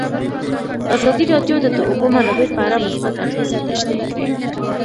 ازادي راډیو د د اوبو منابع په اړه مثبت اغېزې تشریح کړي.